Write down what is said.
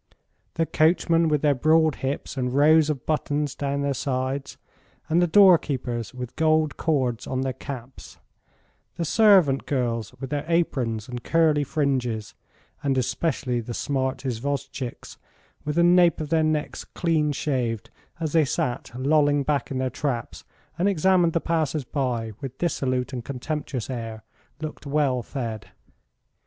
The coachmen with their broad hips and rows of buttons down their sides, and the door keepers with gold cords on their caps, the servant girls with their aprons and curly fringes, and especially the smart isvostchiks with the nape of their necks clean shaved, as they sat lolling back in their traps, and examined the passers by with dissolute and contemptuous air, looked well fed.